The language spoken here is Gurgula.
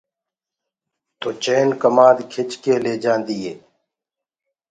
تو چين ڪمآد کِچ ڪي لي جآندي۔